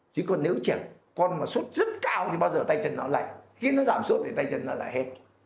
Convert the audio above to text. chứ còn nếu chàng con mà sốt rất cao thì bao giờ tay chân nó lạnh khi nó giảm sốt thì tay chân nó là hết